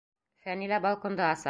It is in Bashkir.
Фәнилә балконды аса.